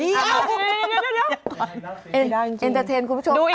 เดี๋ยว